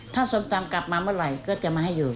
ถ้าส้มตำกลับมาเมื่อไหร่ก็จะมาให้อยู่